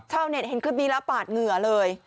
ชาวเน็ตเห็นคลิปนี้แล้วปาดเหงื่อเลย